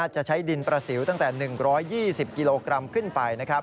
จะใช้ดินประสิวตั้งแต่๑๒๐กิโลกรัมขึ้นไป